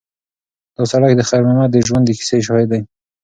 دا سړک د خیر محمد د ژوند د کیسې شاهد دی.